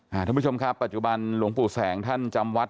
ท่านผู้ชมครับปัจจุบันหลวงปู่แสงท่านจำวัด